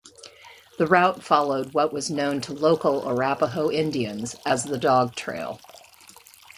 The route followed what was known to local Arapaho Indians as the Dog Trail.